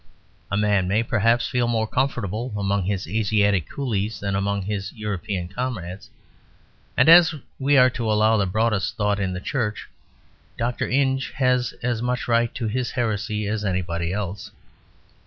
A man may perhaps feel more comfortable among his Asiatic coolies than among his European comrades: and as we are to allow the Broadest Thought in the Church, Dr. Inge has as much right to his heresy as anybody else.